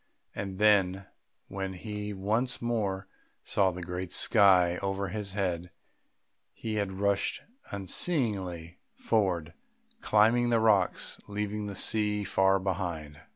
And then, when he once more saw the great sky over his head, he had rushed unseeingly forward, climbing the rocks, leaving the sea far behind.